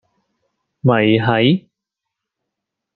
咪係